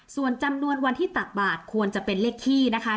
ส่วนจำนวนวันที่ตักบาทควรจะเป็นเลขขี้นะคะ